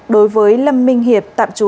đối với lâm minh hiệp tạm trú